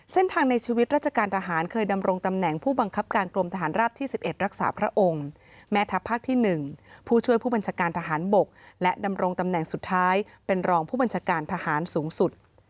ในชีวิตราชการทหารเคยดำรงตำแหน่งผู้บังคับการกรมทหารราบที่๑๑รักษาพระองค์แม่ทัพภาคที่๑ผู้ช่วยผู้บัญชาการทหารบกและดำรงตำแหน่งสุดท้ายเป็นรองผู้บัญชาการทหารสูงสุด